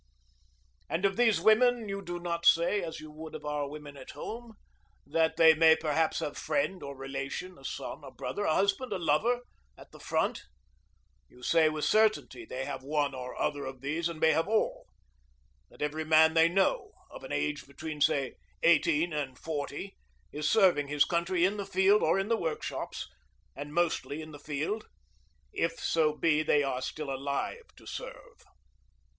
And of these women you do not say, as you would of our women at home, that they may perhaps have friend or relation, a son, a brother, a husband, a lover, at the front. You say with certainty they have one or other of these, and may have all, that every man they know, of an age between, say, eighteen and forty, is serving his country in the field or in the workshops and mostly in the field if so be they are still alive to serve.